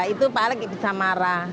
itu pak alex bisa marah